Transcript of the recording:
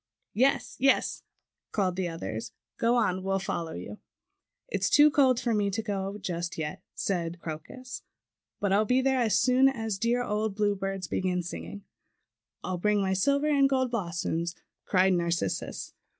"Yes, yes;" called the others, "go on! We'll follow you." "It's too cold for me to go just yet," said Crocus, "but I'll be there as soon as dear old Bluebird begins singing." "I'll bring my silver and gold blossoms," cried Narcissus.